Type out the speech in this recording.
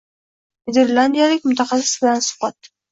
– Niderlandiyalik mutaxassis bilan suhbat